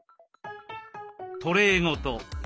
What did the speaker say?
トレーごと。